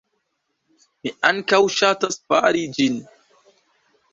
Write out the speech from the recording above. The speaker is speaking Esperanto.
Mi ankaŭ ŝatas fari ĝin.